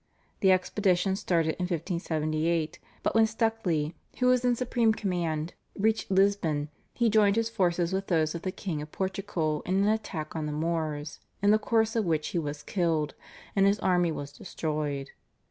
The expedition started in 1578, but when Stukely, who was in supreme command, reached Lisbon, he joined his forces with those of the King of Portugal in an attack on the Moors, in the course of which he was killed, and his army was destroyed.